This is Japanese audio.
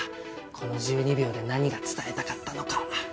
この１２秒で何が伝えたかったのか。